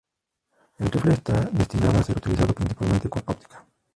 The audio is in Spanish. El rifle está destinado a ser utilizado principalmente con óptica.